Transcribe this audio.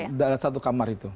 iya dalam satu kamar itu